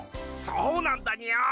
そうなんだニャ。